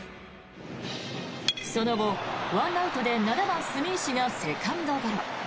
その後、１アウトで７番、住石がセカンドゴロ。